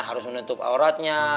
harus menutup auratnya